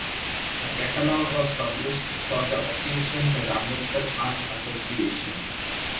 A catalog was published for the occasion by the American Art Association.